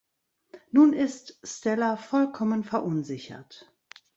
Nun ist Stella vollkommen verunsichert.